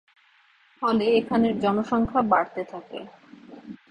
ফলে এখানের জনসংখ্যা বাড়তে থাকে।